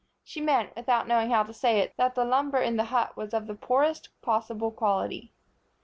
She meant, without knowing how to say it, that the lumber in the hut was of the poorest possible quality.